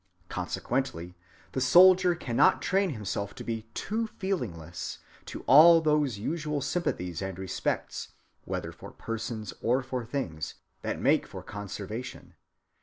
Consequently the soldier cannot train himself to be too feelingless to all those usual sympathies and respects, whether for persons or for things, that make for conservation.